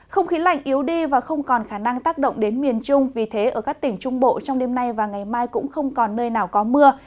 không khí lạnh yếu đi và không còn khả năng tác động đến miền trung vì thế ở các tỉnh trung bộ trong đêm nay và ngày mai cũng không còn nơi nào có mưa